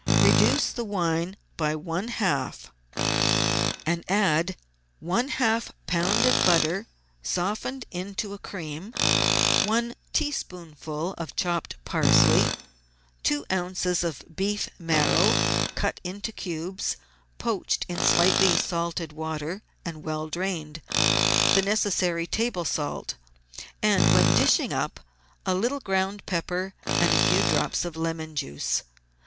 Reduce the wine by one half, and add one half lb. of butter softened into a cream; one teaspoonful of chopped parsley, two oz. of beef marrow cut into cubes, poached in slightly salted water and well drained, the necessary table salt, and, when dishing up, a little ground pepper and a few drops of lemon juice.